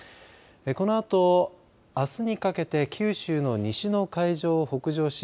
このあと、あすにかけて九州の西の海上を北上し